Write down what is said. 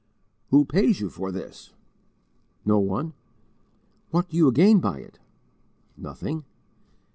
"Who pays you for this?" "No one." "What do you gain by it?" "Nothing."